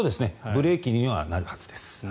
ブレーキにはなるはずです。